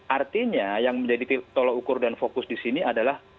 artinya yang menjadi tolo ukur dan fokus disini adalah